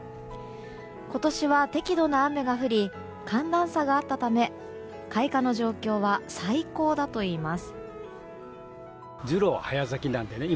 今年は適度な雨が降り寒暖差があったため開花の状況は最高だといいます。